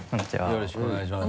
よろしくお願いします。